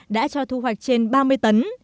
đã cho thu hoạch trên ba mươi tấn